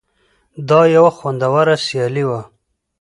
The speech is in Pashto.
دا یوه خوندوره سیالي وه.